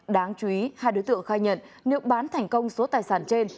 đáng chú ý hai đối tượng khai nhận nếu bán thành công số tài sản trên